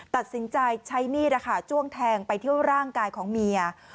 ตัดสินใจใช้มีดจ้วงแทงไปเที่ยวร่างกายของเมีย